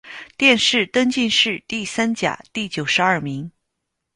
殿试登进士第三甲第九十二名。